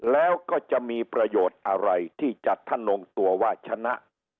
แล้วก็จะมีประโยชน์อะไรที่จะถนงตัวว่าชนะ